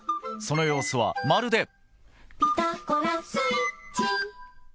その様子はまるで。